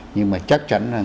nhưng mà chắc chắn là